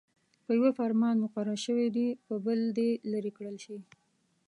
په يوه فرمان مقرر شوي دې په بل دې لیرې کړل شي.